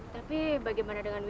tapi bagaimana dengan wiwid